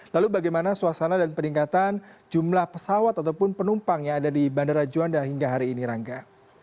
lalu bagaimana suasana dan peningkatan jumlah pesawat ataupun penumpang yang ada di bandara juanda hingga hari ini rangga